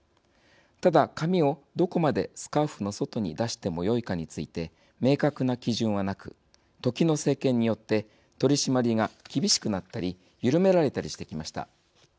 ただ、髪をどこまでスカーフの外に出してもよいかについて明確な基準はなく時の政権によって取締りが厳しくなったり緩められたりしてきました。